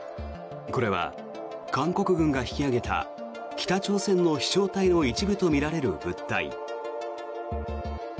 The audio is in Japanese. これは韓国軍が引き揚げた北朝鮮の飛翔体の一部とみられる物体。